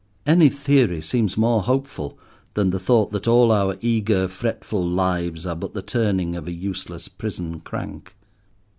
Any theory seems more hopeful than the thought that all our eager, fretful lives are but the turning of a useless prison crank.